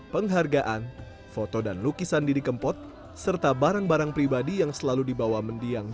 penghargaan foto dan lukisan didi kempot serta barang barang pribadi yang selalu dibawa mendiang